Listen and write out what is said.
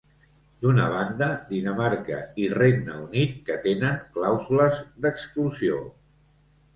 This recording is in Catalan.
D'una banda, Dinamarca i Regne Unit, que tenen clàusules d'exclusió.